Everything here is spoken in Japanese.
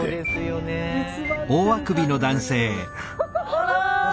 あら！